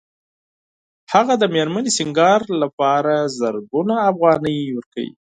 هغه د مېرمنې د سینګار لپاره زرګونه افغانۍ ورکوي